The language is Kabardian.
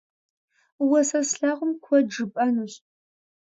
Уэ сэ слъагъум куэд жыпӏэнущ.